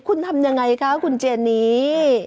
คุณทำอย่างไรคะคุณเจนี่